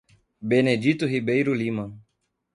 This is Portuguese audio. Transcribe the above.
Benedito Ribeiro Lima